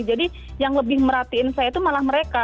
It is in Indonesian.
yang lebih merhatiin saya itu malah mereka